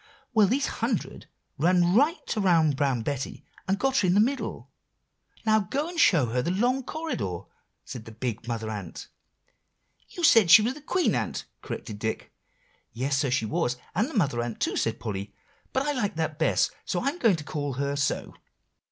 Well, these hundred ran right around Brown Betty, and got her in the middle. "'Now, go and show her the long corridor,' said the big Mother Ant." "You said she was the Queen Ant," corrected Dick. "Yes, so she was, and the Mother Ant too," said Polly; "but I like that best, so I'm going to call her so.